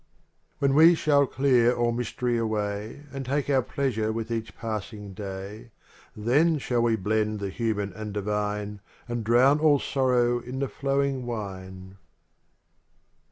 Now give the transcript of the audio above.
xli When we shall clear all mystery away And take our pleasure with each passing day,, Then shal] we blend the human and divine And drown all sorrow in the flowing wine.